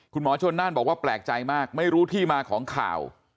คุณหมอชนน่านบอกว่าแปลกใจมากไม่รู้ที่มาของข่าว